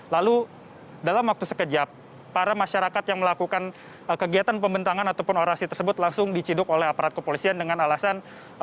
lalu dalam waktu sekejap para masyarakat yang melakukan kegiatan pembentangan ataupun orasi tersebut langsung diciduk oleh aparat kepolisian dengan alasan